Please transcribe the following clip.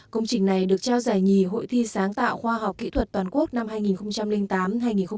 công trình này được trao giải nhì hội thi sáng tạo khoa học kỹ thuật toàn quốc năm hai nghìn tám hai nghìn một mươi chín